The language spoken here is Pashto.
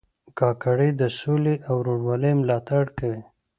کاکړي د سولې او ورورولۍ ملاتړ کوي.